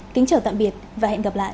kính chào tạm biệt và hẹn gặp lại